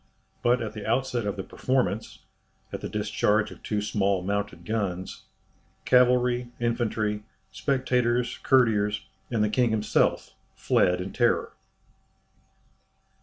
But at the outset of the performance at the discharge of two small mounted guns cavalry, infantry, spectators, courtiers, and the king himself, fled in terror.